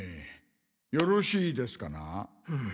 よろしいですかな？